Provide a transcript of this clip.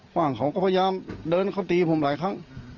ว่างเขาก็พยายามเดินเขาตีผมหลายครั้ง